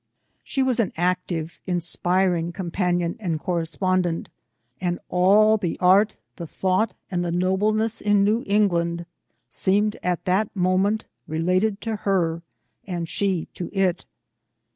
She was an active, inspiring companion and correspondent, and all the art, the thought, and the nobleness in New England, seemed, at that moment, related to her, and she to it.